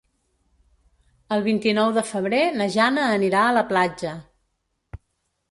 El vint-i-nou de febrer na Jana anirà a la platja.